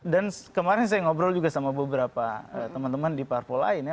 dan kemarin saya ngobrol juga sama beberapa teman teman di parpol lain ya